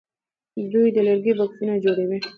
دوی د لرګیو بکسونه جوړوي.